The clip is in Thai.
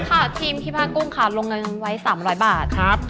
ค่ะทีมที่ผ้ากุ้งค่ะลงเงินไว้๓๐๐บาทครับ